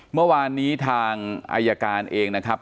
เมื่อวานนี้ทางอายการเองนะครับ